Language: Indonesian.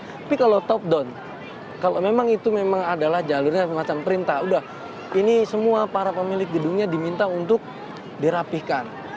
tapi kalau top down kalau memang itu memang adalah jalurnya semacam perintah udah ini semua para pemilik gedungnya diminta untuk dirapihkan